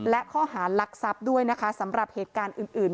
และข้อหารักทรัพย์ด้วยนะคะสำหรับเหตุการณ์อื่น